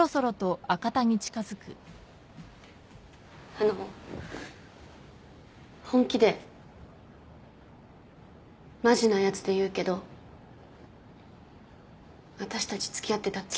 あの本気でマジなやつで言うけど私たち付き合ってたっけ？